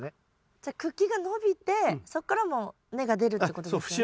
じゃあ茎が伸びてそこからも根が出るってことですよね。